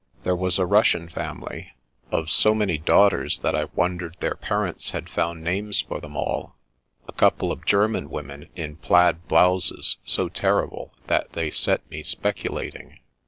There was a Russian family, of so many daughters that I wondered their parents had found names for them all ; a couple of German women in plaid blouses so terrible that they set me speculating.